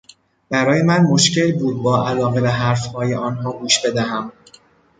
برای من مشکل بود با علاقه به حرفهای آنها گوش بدهم.